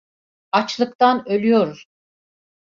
Açlıktan ölüyoruz.